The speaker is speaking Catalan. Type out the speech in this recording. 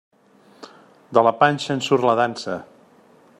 De la panxa en surt la dansa.